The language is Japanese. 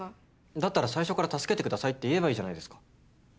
だったら最初から助けてくださいって言えばいいじゃないですか。